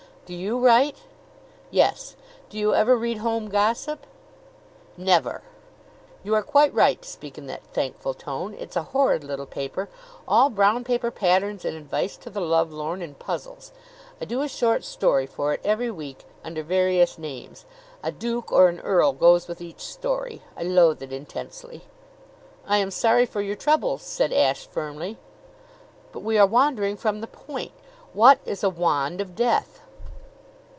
"Do you write?" "Yes. Do you ever read Home Gossip?" "Never!" "You are quite right to speak in that thankful tone. It's a horrid little paper all brown paper patterns and advice to the lovelorn and puzzles. I do a short story for it every week, under various names. A duke or an earl goes with each story. I loathe it intensely." "I am sorry for your troubles," said Ashe firmly; "but we are wandering from the point. What is a wand of death?"